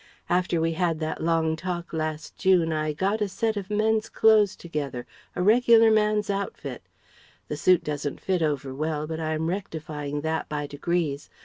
After we had that long talk last June I got a set of men's clothes together, a regular man's outfit. The suit doesn't fit over well but I am rectifying that by degrees.